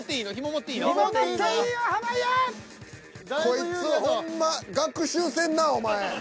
こいつほんま学習せんなお前。